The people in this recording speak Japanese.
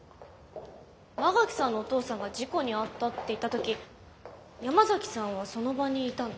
馬垣さんのお父さんが事故に遭ったって言った時山崎さんはその場にいたの？